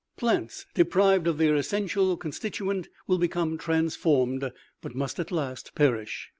Plants, deprived of their essential constituent, will become transformed, but must at last perish.